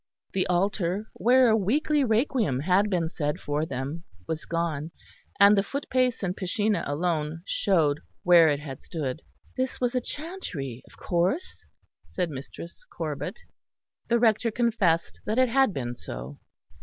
The altar, where a weekly requiem had been said for them, was gone, and the footpace and piscina alone showed where it had stood. "This was a chantry, of course?" said Mistress Corbet. The Rector confessed that it had been so.